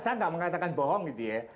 saya nggak mengatakan bohong gitu ya